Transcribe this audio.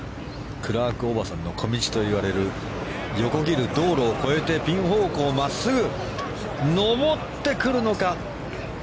クラークおばさんの小道といわれる横切る道路を越えてピン方向真っすぐ上ってくるのか。